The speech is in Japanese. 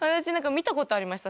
見たことありました？